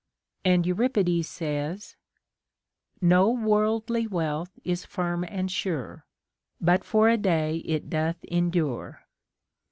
And Euripides says :— No worldly wealth is firm and sure ; But for a day it doth endure.